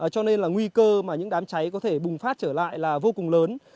cho nên là nguy cơ mà những đám cháy có thể bùng phát trở lại là vô cùng lớn